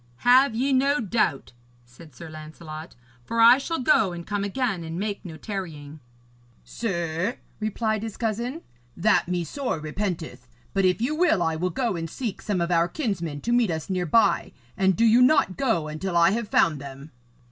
'Have ye no doubt,' said Sir Lancelot, 'for I shall go and come again and make no tarrying.' 'Sir,' replied his cousin, 'that me sore repenteth. But if you will, I will go and seek some of our kinsmen to meet us near by. And do you not go until I have found them.'